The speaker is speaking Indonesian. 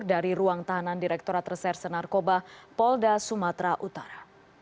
dari ruang tahanan direkturat reserse narkoba polda sumatera utara